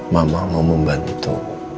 mama mau membantu